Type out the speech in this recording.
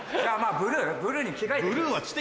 ブルーに着替えて。